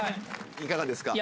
いかがですか？